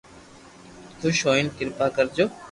خوݾ ھوئين ڪرپا ڪرجو